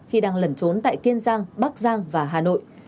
khi đang lẩn trốn tại kiên giang bắc giang và hà nội